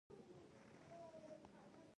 افغانستان کې د پابندي غرونو په اړه زده کړه کېږي.